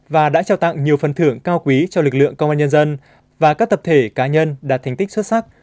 và đã trao tặng nhiều phần thưởng cao quý cho lực lượng công an nhân dân và các tập thể cá nhân đạt thành tích xuất sắc